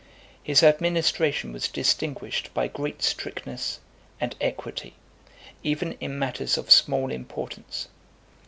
His administration was distinguished by great strictness and equity, even in matters of small importance.